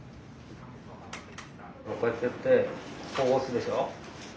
こうやってやってこう押すでしょう？